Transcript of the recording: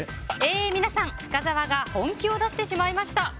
えー、皆さん深澤が本気を出してしまいました。